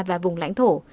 và vùng lãnh thổ